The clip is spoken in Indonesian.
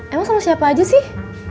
emang sama siapa aja sih